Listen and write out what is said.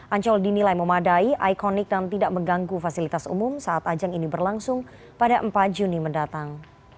ancol dinilai memadai ikonik dan tidak mengganggu fasilitas umum saat ajang ini berlangsung pada empat juni mendatang